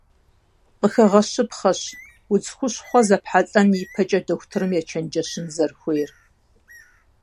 Къыхэгъэщыпхъэщ, удз хущхъуэ зэпхьэлӀэн ипэкӀэ дохутырым ечэнджэщын зэрыхуейр.